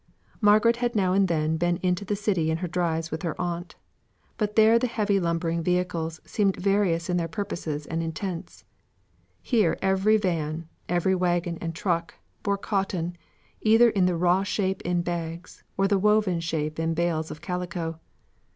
Margaret had now and then been into the city in her drives with her aunt. But there the heavy lumbering vehicles seemed various in their purposes and intent; here every van, every waggon and truck, bore cotton, either in the raw shape in bags, or the woven shape in bales of calico.